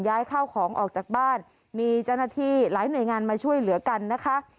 ย้ายข้าวของออกจากบ้านมีเจ้าหน้าที่หลายหน่วยงานมาช่วยเหลือกันนะคะ